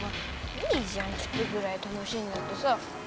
いいじゃんちょっとぐらい楽しんだってさ。